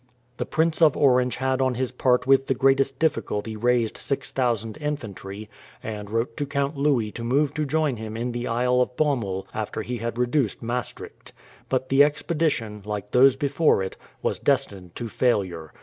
The Prince of Orange had on his part with the greatest difficulty raised 6000 infantry, and wrote to Count Louis to move to join him in the Isle of Bommel after he had reduced Maastricht. But the expedition, like those before it, was destined to failure.